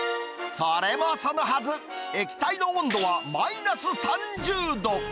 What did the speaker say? それもそのはず、液体の温度はマイナス３０度。